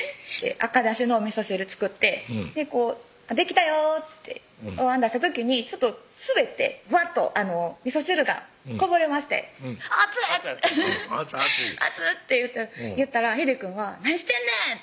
赤だしのお味噌汁作って「できたよ」っておわん出した時にちょっと滑ってぶわっと味噌汁がこぼれまして「熱っ！」熱い熱い「熱っ！」って言ったらひでくんが「何してんねん！」